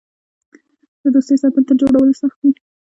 د دوستۍ ساتل تر جوړولو سخت دي.